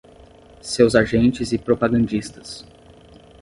Seus agentes e propagandistas